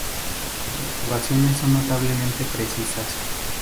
Sus observaciones son notablemente precisas.